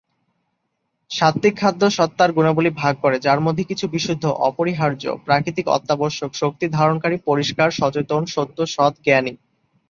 সাত্ত্বিক খাদ্য সত্তার গুণাবলী ভাগ করে, যার মধ্যে কিছু "বিশুদ্ধ, অপরিহার্য, প্রাকৃতিক, অত্যাবশ্যক, শক্তি ধারণকারী, পরিষ্কার, সচেতন, সত্য, সৎ, জ্ঞানী"।